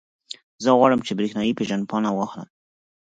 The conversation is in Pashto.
زه غواړم، چې برېښنایي پېژندپاڼه واخلم.